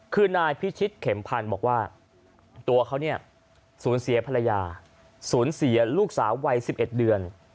คือนายพิชิตเข็มพันธุ์บอกว่าตัวเขาเนี่ยสูญเสียภรรยาสูญเสียลูกสาววัย๑๑เดือน